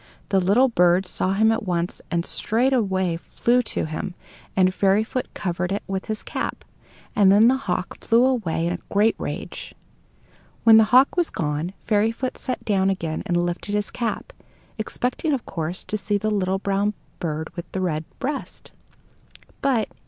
The little bird saw him at once, and straightway flew to him, and Fairyfoot covered it with his cap. And then the hawk flew away in a great rage. When the hawk was gone, Fairyfoot sat down again and lifted his cap, expecting, of course, to see the brown bird with the red breast. But, in.